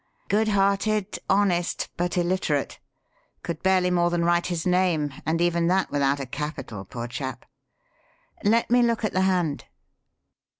Good hearted, honest, but illiterate. Could barely more than write his name, and even that without a capital, poor chap. Let me look at the hand.